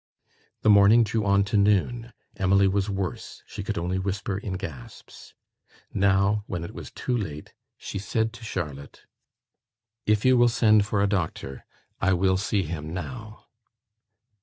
The morning drew on to noon. Emily was worse: she could only whisper in gasps. Now, when it was too late, she said to Charlotte, "If you will send for a doctor, I will see him now."